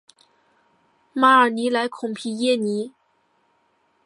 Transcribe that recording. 马尔尼莱孔皮耶尼。